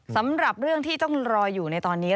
สำหรับเรื่องที่ต้องรออยู่ในตอนนี้